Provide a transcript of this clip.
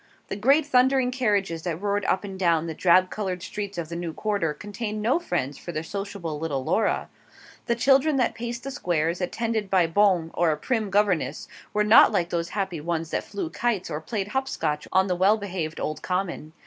The great thundering carriages that roared up and down the drab coloured streets of the new quarter, contained no friends for the sociable little Laura. The children that paced the squares, attended by a BONNE or a prim governess, were not like those happy ones that flew kites, or played hop scotch, on the well beloved old Common.